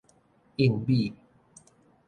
應米